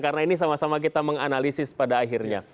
karena ini sama sama kita menganalisis pada akhirnya